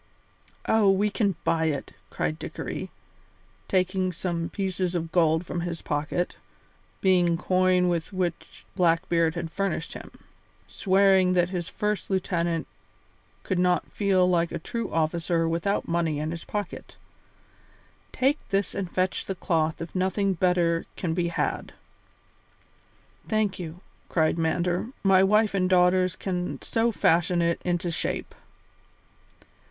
"Oh, we can buy it," cried Dickory, taking some pieces of gold from his pocket, being coin with which Blackbeard had furnished him, swearing that his first lieutenant could not feel like a true officer without money in his pocket; "take this and fetch the cloth if nothing better can be had." "Thank you," cried Mander; "my wife and daughters can soon fashion it into shape."